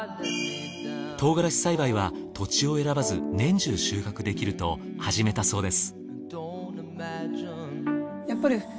トウガラシ栽培は土地を選ばず年中収穫できると始めたそうです。